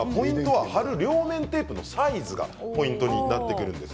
貼る両面テープのサイズがポイントになってくるんです。